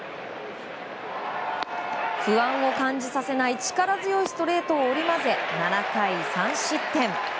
不安を感じさせない力強いストレートを織り交ぜ７回３失点。